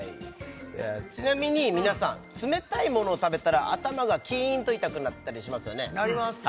ちなみに皆さん冷たいものを食べたら頭がキーンと痛くなったりしますよねなります！